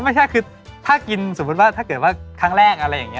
ไม่ใช่คือถ้ากินสมมุติว่าถ้าเกิดว่าครั้งแรกอะไรอย่างนี้